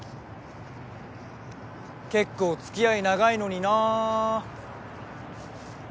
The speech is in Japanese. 結構つきあい長いのにな